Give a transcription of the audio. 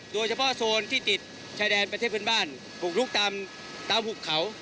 โดยเฉพาะโซนที่ติดชายแดนประเทศพื้นบ้านบุกลุกตามหุกเขา